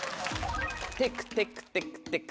テクテクテクテクテク。